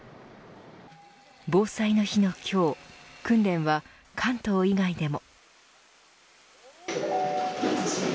防災の日の今日訓練は関東以外でも。